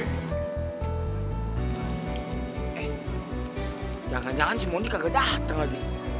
eh jangan jangan si moni kagak dateng lagi